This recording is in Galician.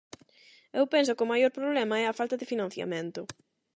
Eu penso que o maior problema é a falta de financiamento.